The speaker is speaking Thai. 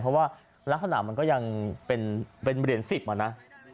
เพราะว่ารักษณะมันก็ยังเป็นเหรียญ๑๐อะนะ